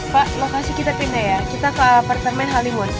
pak lokasi kita kini ya kita ke apartemen hollywood